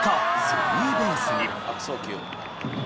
スリーベースに。